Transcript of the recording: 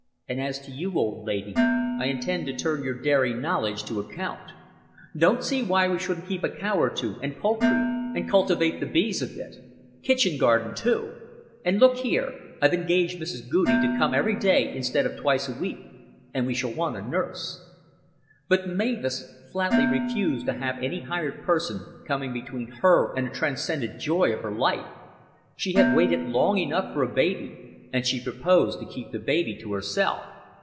And as to you, old lady, I intend to turn your dairy knowledge to account. Don't see why we shouldn't keep a cow or two and poultry and cultivate the bees a bit. Kitchen garden too. And, look here, I've engaged Mrs. Goudie to come every day instead of twice a week and we shall want a nurse." But Mavis flatly refused to have any hired person coming between her and the transcendent joy of her life. She had waited long enough for a baby, and she proposed to keep the baby to herself.